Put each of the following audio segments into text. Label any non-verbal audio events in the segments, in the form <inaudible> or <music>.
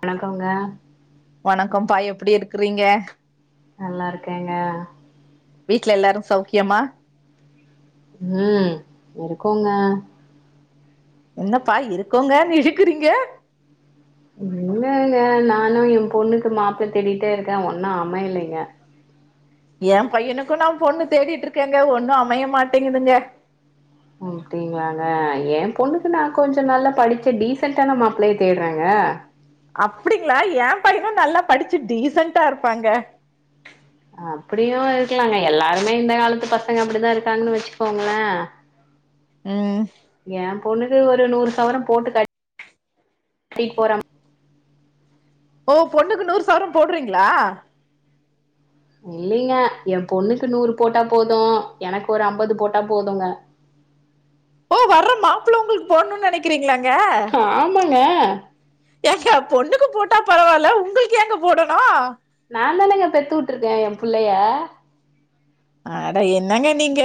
வணக்கஙோ வணகம் பா எப்டி இருகிறீங்க நல்லா இருகேங்க வீட்ல எலாரு சௌகியமா ம் இருகோங்க எனபா இருகோங்கனு இழுகுறீங்க இல்லங்க நானு என் பொணுகு மாபிள தேடிடே இருக்க ஒன்னு அமைலைங்க என் பையனுகும் நா பொண்ணு தேடிடு இருகேங்க ஒண்ணு அமைய மாட்டேகுதுங்க அப்படிங்களாங்க எ பொண்ணுக்கு நா கொஞ்சோ நல்லா படிச்ச டீசண்டான மாப்ளைய தேடுறேங்க அப்டிங்களா எ பையனு நல்லா படிச்சு டீசன்டா இருபாங்க அப்டியுஇருகலாங்க எலாருமே இந்த காலத்து பசங்க அப்டிதா இருகாங்கனு வசுகோங்கள ம் பொணுகு ஒரு நூறு சவர போட்டு காட் டி போறம் ஓ பொண்ணுகு நூறு சவர போடுறீங்களா இல்லங்க என் பொண்ணுகு நூறு போட்டா போது எனகு ஒரு அம்பது போட்டா போதுங்க ஓ வர்ற மாப்பிள உங்களுக்கு போடுனும்னு நினைக்கிறீங்களாங்க ஏ ங்க ஏங்க பொண்ணுக்கு போட்டா பரவாயில்ல உங்களுக்கு ஏங்க போடணு நா தானேனுங்க பெத்து வுட்டுருக்கே என் புள்ளைய அட என்னங்க நீங்க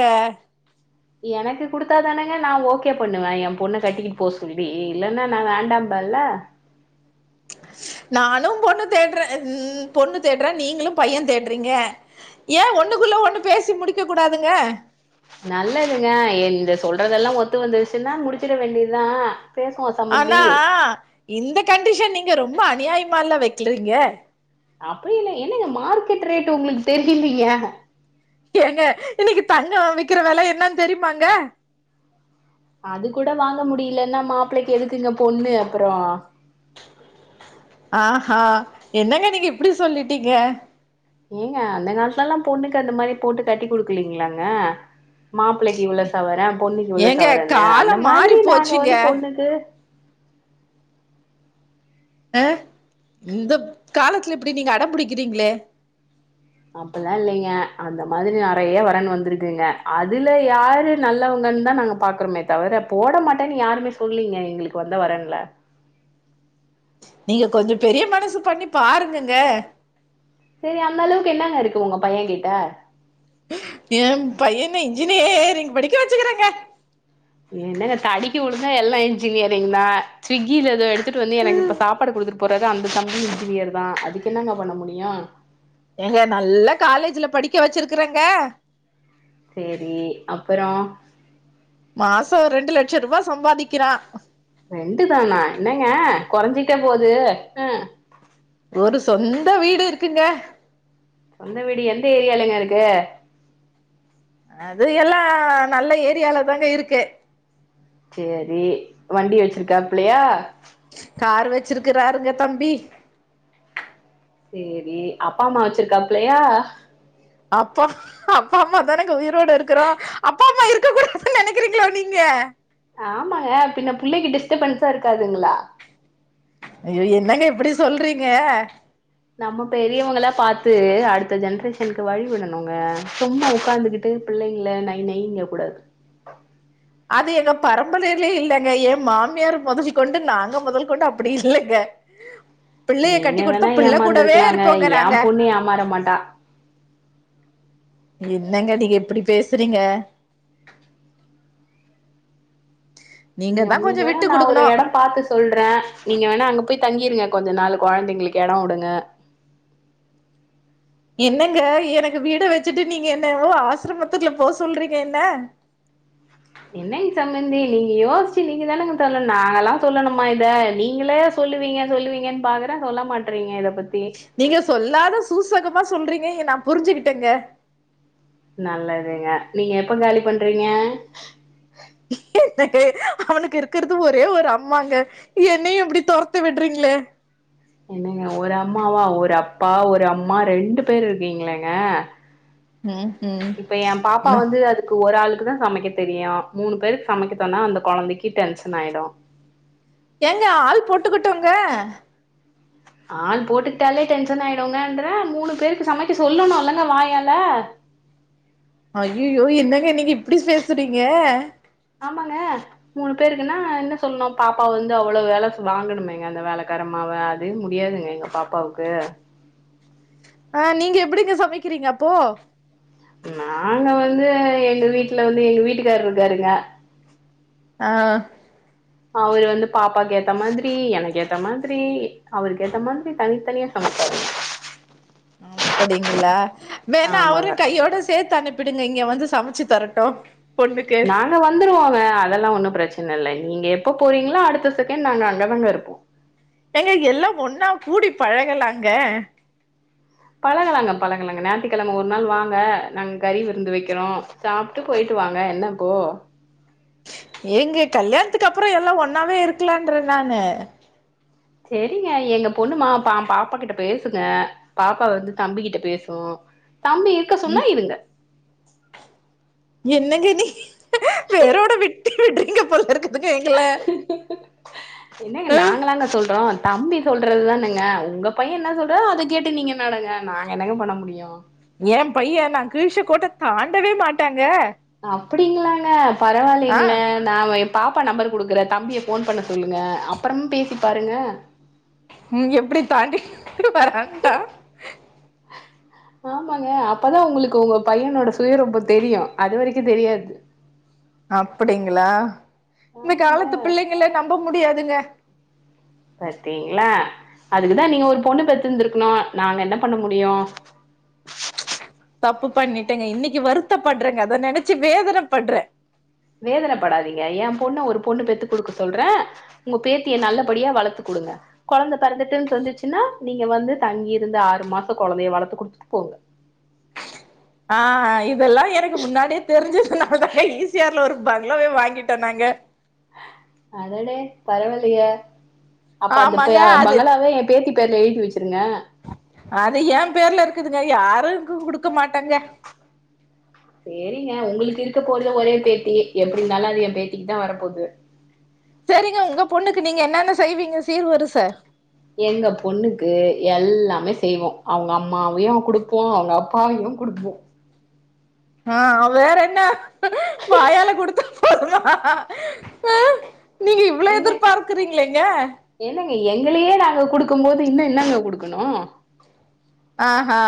எனக்கு குடுத்தாதானுங்க நா ஓகே பண்ணுவே என் பொண்ணு கட்டிக்கிட்டு போ சொல்லி இல்லைன்னா நா வேண்டாம்பெல்ல நானு பொண்ணு தேடுறே ம் பொண்ணு தேடுறே நீங்களு பைய தேடுறீங்க ஏ ஒண்ணுக்குள்ள ஒண்ணு பேசி முடிக்க கூடாதுங்க நல்லதுங்க இந்த சொல்றதெல்லா ஒத்து வந்துருச்சுன்னா முடிச்சிட வேண்டியதுதா ஆனா இந்த கண்டிஷன் நீங் நீங்க ரொம்ப அநியாயமா ல்ல வைக்கிறீங்க அப்டி இல்ல என்னங்க மார்க்கெட் ரேட் உங்களுக்கு தெரியலீங்க ஏங்க இன்னைக்கு தங்க விக்கிற வெல என்னன்னு தெரியுமாங்க அது கூட வாங்க முடியலன்னா மாப்பிள்ளைக்கு எதுக்குங்க பொண்ணு அப்புறோ ஆஹ்ஹா என்னங்க நீங்க இப்படி சொல்லிட்டீங்க ஏங்க அந்த காலத்துலல்லா பொண்ணுக்கு அந்த மாதிரி போட்டு கட்டி குடுக்கலீங்களாங்க மாப்பிள்ளைக்கு இவ்ளோ சவர பொண்ணுக்கு இவ்ளோ ஏங்க சவரன்னு அந்த காலம் மாறி மாதிரி நாங்க போச்சுங்க வந்து பொண்ணுக்கு அ இந்த காலத்துல இப்படி நீங்க அட புடிக்கிறீங்களே அப்டில்லா இல்லிங்க அந்த மாதிரி நிறைய வரன் வந்திருக்குங்க அதுல யாரு நல்லவங்கன்னு தா நாங்க பாக்குறோமே தவிர போட மாட்டேன்னு யாருமே சொல்லீங்க எங்களுக்கு வந்த வரன்ல நீங்க கொஞ்சோ பெரிய மனசு பண்ணி பாருங்கங்க செரி அந்த அளவுக்கு என்னங்க இருக்கு உங்க பையங்கிட்ட ஏம் பையன இன்ஜினியேரிங் படிக்க வச்சுக்குறேங்க என்னங்க தடிக்கி வுழுந்தா எல்லா இன்ஜினியரிங் தா ஸ்விக்கில இதோ எடுத்துட்டு வந்து எனக்கு இப்ப சாப்பாடு குடுத்துட்டு போறது அந்த தம்பி இன்ஜினியர் தா அதுக்கு என்னங்க பண்ண முடியு ஏங்க நல்ல காலேஜுல படிக்க வச்சிருக்குறேங்க சேரி அப்புறோ மாசொ ரெண்டு லட்ச ரூபா சம்பாதிக்கிறா ரெண்டு தானா என்னங்க கொறஞ்சிட்டே போது ஆ ஒரு சொந்த வீடு இருக்குங்க சொந்த வீடு எந்த ஏரியாலங்க இருக்கு? அது எல்லா நல்ல ஏரியால தாங்க இருக்கு சேரி வண்டி வச்சுருக்காப்புலயா? காரு வச்சுருக்குறாருங்க தம்பி சேரி அப்பா அம்மா வச்சுருக்காப்லயா அப்பா அப்பா அம்மா தானெங்க உயிரோட இருக்கிறோ அப்பா அம்மா இருக்க கூடாதுன் நெனைக்கிறீங்ளா நீங்க? ஆமாங்க பின்ன பிள்ளக்கி டிஸ்டர்பன்ஸா இருக்காதுங்களா ஐய்யோ என்னங்க இப்பிடி சொல்றீங்க நம்ம பெரியவுங்களா பாத்து அடுத்த ஜென்ரேஷன்க்கு வழி விடனுங்க சும்மா உக்காந்துகிட்டு பிள்ளைங்கள நை நைங்க கூடாது அது எங்க பரம்பரைலயே இல்லங்க எ மாமியார் மொதல் கொண்டு நாங்க மொதல் கொண்டு அப்புடி இல்லங்க பிள்ளைய நீங்க கட்டி குடுத்தா வேணா பிள்ள கூடவே ஏமாந்துருக்லாங்க இருப்போங்க ஏ நாங்க பொண்ணு ஏமாற மாட்டா என்னங்க நீங்க இப்புடி பேசுறீங்க நீங்க தா உங்கள்கு கொஞ்சோ வேணா விட்டு நா ஒரு குடுக்கணு எடம் பாத்து சொல்றே நீங்க வேணா அங்க போய் தங்கிருங்க கொஞ்ச நாள் கொழந்தைங்ளுக்கு எடொ வுடுங்க என்னங்க எனக்கு வீட வச்சுட்டு நீங்க என்னவோ ஆசிரமத்துக்ல போ சொல்றீங்க என்ன என்னங்க சம்ந்தி நீங்க யோசுச்சு நீங்க தானேங்க சொல்ல நாங்கல்லா சொல்லனுமா இத நீங்களே சொல்லுவீங்க சொல்லுவீங்கன் பாக்குறே சொல்ல மாட்றீங்க இத பத்தி நீங்க சொல்லாத சூசகமா சொல்றீங்க எ நா புரிஞ்சுகிட்டேங்க நல்லதுங்க நீங்க எப்ப காலி பண்றீங்க? அவனுக்கு இருக்கற்து ஒரே ஒரு அம்மாங்க என்னையு இப்டி தொரத்தி விட்றீங்ளே என்னங்க ஒரு அம்மாவா ஒரு அப்பா ஒரு அம்மா ரெண்டு பேர் இருக்கீங்ளேங்க ம் இப்ப எ பாப்பா ம் வந்து அதுக்கு ஒரு ஆளு க்குதா சமைக்க தெரியு மூணு பேருக் சமைக்க சொன்னா அந்த கொழந்தைக்கி டென்ஷன் ஆயிடு ஏங்க ஆள் போட்டுக்குட்டுங்க ஆள் போட்டுக்டாலே டென்ஷன் ஆயிடுங்கன்றே மூணு பேருக்கு சமைக்க சொல்லனுல்லங்க வாயால அய்யயோ என்னங்க நீங்க இப்டி பேசுறீங்க? ஆமாங்க மூணு பேருக்குன்னா என்ன சொல்னு பாப்பா வந்து அவ்வள வேல வாங்கனுமேங்க அந்த வேலக்காரம்மாவ அதே முடியாதுங்க எங்க பாப்பாவுக்கு ஆ நீங்க எப்பிடிங்க சமைக்கிறீங்க அப்போ? நாங்க வந்து எங்க வீட்ல வந்து எங்க வீட்டுக்கார்ருக்காருங்க ஆ அவரு வந்து பாப்பாக்கு ஏத்த மாதிரி எனக்கு ஏத்த மாதிரி அவருக்கு ஏத்த மாதிரி தனித்தனியா சமைப்பாரு அப்படிங்களா வேணா ஆமாங்க அவரும் கையோட சேர்த்து அனுப் பிடுங்க இங்க வந்து சமைச்சு தரட்டும் நாங்க வந்துருவோங்க அதெல்லாம் ஒன்னும் பிரச் சனை இல்ல நீங்க எப்ப போறீங்களோ அடுத்த செகண்ட் நாங்க அங்க தான் இருப்போம் ஏங்க எல்லாம் ஒன்னா கூடி பழகலாங்க பழகலாங்க பழகலாங்க ஞாயத்தக்கிழமை ஒரு நாள் வாங்க நாங்க கறி விருந்து வைக்கிறோம் சாப்பிட்டு போயிட்டு வாங்க என்ன இப்போ ஏங்க கல்யாணத்துக்கு அப்புறம் எல்லாம் ஒன்னாவே இருக்கலான்ன்றேன் நான்னு செரிங்க எங்க பொண்ணுமா பா பாப்பா கிட்ட பேசுங்க பாப்பா வந்து தம்பி கிட்ட பேசும் தம்பி இருக்க சொன்னா ம் இருங்க என்ன கேட்டிங்க வேரோட வெட்டி விடுருவீங்க போல இருக்கு அது கேக்கல இருங்க என்னங்க நாங்களாங்க சொல்றோம் தம்பி சொல்றது தானுங்க உங்க பையன் என்ன சொல்றதோ அதை கேட்டு நீங்க நடங்க நாங்க என்னங்க பண்ண முடியும் ஏன் பையன் நான் கிழிச்ச கோட்ட தாண்டவே மாட்டாங்க அப்படிங்களாங்க ஆ பரவாயில்லைங்களே நான் பாப்பா நம்பர் குடுக்குறேன் தம்பிய ஃபோன் பண்ண சொல்லுங்க அப்புறமும் பேசி பாருங்க ம் எப்படி தாண்டி <inaudible> ஓ மகேன் அப்பதான் உங்களுக்கு உங்க பையனோட சுயரூபம் தெரியும் அது வரைக்கும் தெரியாது அப்படிங்களா இந்த ஆமாங்க காலத்து பிள்ளைங்கள நம்ப முடியாதுங்க பாத்தீங்களா அதுக்குதான் நீங்க ஒரு பொண்ணு பெத்துருந்திருக்கணும் நாங்க என்ன பண்ண முடியும் தப்பு பண்ணிட்டேங்க இன்னைக்கு வருத்த படுறேங்க அதை நெனைச்சு வேதனை படுறேன் வேதனைப்படாதீங்க என் பொண்ணு ஒரு பொண்ணு பெத்து குடுக்க சொல்றேன் உங்க பேத்திய நல்லபடியா வளர்த்து குடுங்க குழந்தை பிறந்துட்டுன்னு சொன்னுச்சுன்னா நீங்க வந்து தங்கிருந்து ஆறு மாசம் குழந்தைய வளர்த்து குடுத்துட்டு போங்க ஆ இதெல்லாம் எனக்கு முன்னாடியே தெரிஞ்சுனாலதாங்க ஈ ச ஆர் ல ஒரு பங்களாவே வாங்கிட்டோம் நாங்க அடடே பரவாயில்லயே அப்ப அந்த ஆமாங்க பா அது பங்களாவே ஏன் பேத்தி <unintelligible> அது ஏன் பேர்ல இருக்குதுங்க யா <unintelligible> குடுக்க மாட்டேங்க சேரிங்க உங்களுக்கு இருக்க போறது ஒரே பேத்தி எப்படி இந்தாலும் அது என் பேத்தி க்கு தான் வரப்போது செரிங்க உங்க பொண்ணுக்கு நீங்க என்னென்ன செய்வீங்க சீர் வரிச எங்க பொண்ணுக்கு எல்லாமே செய்வோம் அவுங்க அம்மாவையும் குடுப்போம் அவுங்க அப்பாவையும் குடுப்போம் ஆ வேறென்ன வாயால குடுத்தா போதுமா அ நீங்க இவ்ளொ எதிர்பார்க்குறீங்ளேங்க? ங்க எங்களயே நாங்க குடுக்கும் போது இன்னு இன்னங்க குடுக்கனு ஆஹா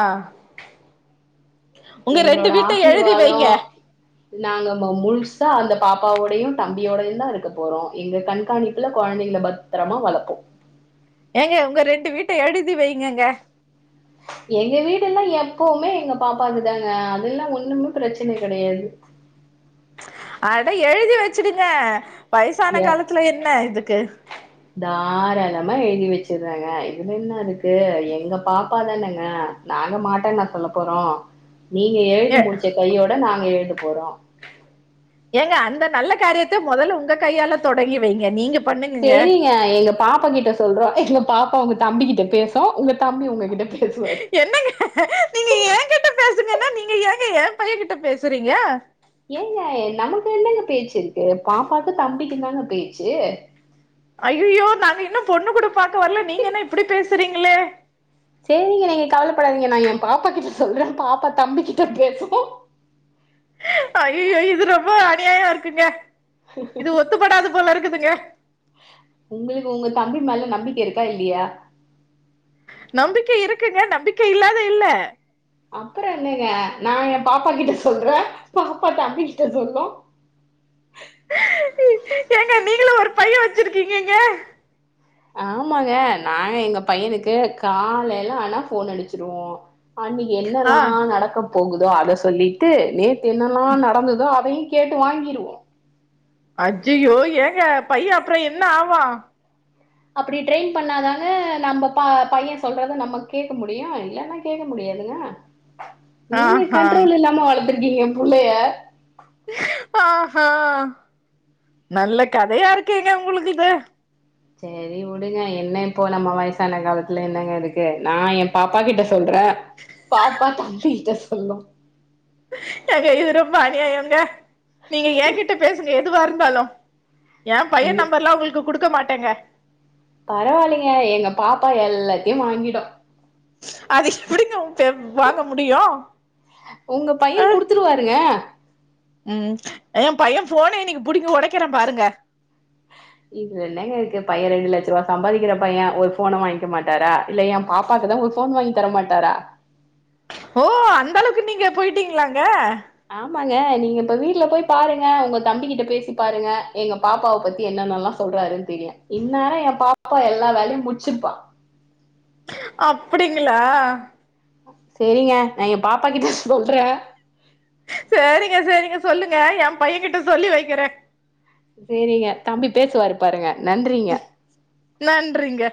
உங்க ரெண்டு எங்களோட வீட்ட எழுதி ஆசிர்வாதொ வைங்க நாங்க ம முழு சா அந்த பாப்பாவோடையு தம்பியோடையுந்தா இருக்க போறோ எங்க கண்காணிப்புல கொழந்தைங்கள பத்திரமா வளப்போ ஏங்க உங்க ரெண்டு வீட்ட எழுதி வைங்கங்க எங்க வீடுல்லா எப்பவுமே எங்க பாப்பாக்குதாங்க அதுல்லா ஒன்னுமே பிரச்சன கெடையாது அட எழுதி வச்சுடுங்க வயசான எ காலத்துல என்ன இதுக்கு தாராளமா எழுதி வச்சிர்றேங்க இதுல என்ன இருக்கு எங்க பாப்பாதானெங்க நாங்க மாட்டேன்னா சொல்ல போறோ நீங்க எழுதி ஏ முடிச்ச கையோட நாங்க எழு த போறோ ஏங்க அந்த நல்ல காரியத்த மொதல்ல உங்க கையால தொடங்கி வைங்க நீங்க பண்ணுங்கங்க சேரிங்க எங்க பாப்பா கிட்ட சொல்றோ எங்க பாப் பா உங்க தம்பி கிட்ட பேசா உங்க தம்பி உங்ககிட்ட பேசுவாரு என்னங்க நீங்க ஏங்கிட்ட பே சுங்கன்னா நீங்க ஏங்க ஏ பைய கிட்ட பேசுறீங்க ஏங்க நமக்கு என்னங்க பேச்சு இருக்கு பாப்பாக்கு தம்பிக்கு தாங்க பேச்சு அய்யய்யோ நாங்க இன்னு பொண்ணு கூட பாக்க வர்ல நீங்க என்ன இப்புடி பேசுறீங்ளே? சேரிங்க நீங்க கவலப்படாதீங்க நா எ பாப்பா கிட்ட சொல்றே பாப்பா தம்பிக் கிட்ட பேசுவா அய்யயோ இது ரொம்ப அநியாயொ இருக்குங்க இது ஒத்துப்படாது போல இருக்குதுங்க உங்களுக்கு உங்க தம்பி மேல நம்பிக்க இருக்கா இல்லியா? நம்பிக்க இருக்குங்க நம்பிக்க இல்லாத இல்ல அப்புறொ என்னங்க நா எ பாப்பா கிட்ட சொல்றே பாப்பா தம்பி கிட்ட சொல்லு ஏங்க நீங்களு ஒரு பைய வச்சிருக்கீங்கங்க ஆமாங்க நாங்க எங்க பையனுக்கு காலைல ஆனா ஃபோன் அடுச்சுருவோ அங்க ஆ என்னல்லா நடக்கப் போகுதோ அத சொல்லிட்டு நே த்து என்னெல்லா நடந்ததோ அதையு கேட்டு வாங்கிருவோ அய்யயோ ஏங்க பைய அப்றொ என்ன ஆவா அப்பிடி ட்ரெயின் பண்ணாதாங்க நம்ப ப பைய சொல்றத நம்ம கேக்க முடியு இல்லனா கேக்க முடியாதுங்க நீங்க ஆஹா கண்ட்ரோல் இல்லாம வளத்துருக்கீங்க புள்ளைய ஆ ஆ நல்ல கதையா இருக்கேங்க உங்களுக்கு இது செரி விடுங்க என்ன இப்போ நம்ம வயசான காலத்துல என்னங்க இருக்கு நான் என் பாப்பா கிட்ட சொல்றேன் பாப்பா தம்பிகிட்ட சொல்லும் ஏங்க இது ரொம்ப அனியாயம்ங்க நீங்க ஏன் கிட்ட பேசுங்க எதுவா இருந்தாலும் ஏன் பையன் உங்க நம்பர் எல்லாம் உங்களுக்கு குடுக்க மாட்டேன் ங்க பரவாயில்லைங்க எங்க பாப்பா எல்லாத்தையும் வாங்கிடும் அது எப்படிங்க வாங்க முடியும் உங்க ஆ பையன் குடுத்துருவாருங்க ம் என் பையன் ஃபோனே இன்னைக்கு புடிங்கி உடைக்கிறேன் பாருங்க இதுல என்னங்க இருக்கு பையன் ரெண்டு லட்சம் ரூபா சம்பாதிக்கிற பையன் ஒரு ஃபோனை வாங்கிக்க மாட்டாரா இல்ல என் பாப்பாக்குதான் ஒரு போன் வாங்கி தரமாட்டாரா ஓ அந்த அளவுக்கு நீங்க போயிட்டீங்களாங்க ஆமாங்க நீங்க இப்ப வீட்டுல போய் பாருங்க உங்க தம்பிக்கிட்ட பேசி பாருங்க எங்க பாப்பாவை பத்தி என்னன்னல்லாம் சொல்றாருன்னு தெரியும் இன்னேரம் என் பாப்பா எல்லா வேலையும் முடிச்சிருப்பா அப்படிங்களா செரிங்க நான் என் பாப்பா கிட்ட சொல்றேன் சேரிங்க சேரிங்க சொல்லுங்க என் பையன் கிட்ட சொல்லி வைக்கிறேன் சேரிங்க தம்பி பேசுவாரு பாருங்க நன்றிங்க நன்றிங்க